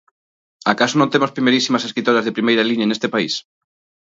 ¿Acaso non temos primeirísimas escritoras de primeira liña neste país?